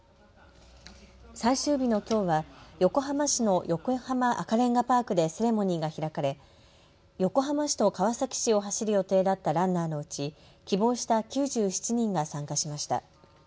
最終日のきょうは横浜市の横浜赤レンガパークでセレモニーが開かれ横浜市と川崎市を走る予定だったランナーのうち希望した９７人が参加しました。